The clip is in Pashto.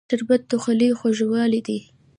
شربت د خولې خوږوالی دی